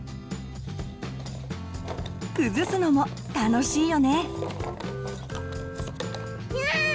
崩すのも楽しいよね。